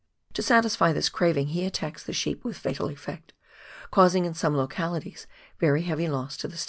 To satisfy this craving he attacks the sheep with fatal effect, causing, in some localities, very heavy loss to the stations.